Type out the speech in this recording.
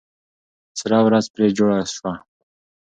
سره ورځ پرې جوړه سوه.